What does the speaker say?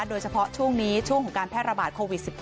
โดยเฉพาะช่วงนี้ช่วงของการแพร่ระบาดโควิด๑๙